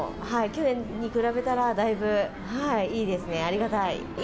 去年に比べたら、だいぶいいですね、ありがたい。